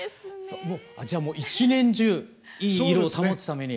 じゃあもう一年中いい色を保つために。